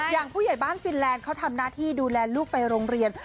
ผู้ใหญ่บ้านฟินแลนด์เขาทำหน้าที่ดูแลลูกไปโรงเรียน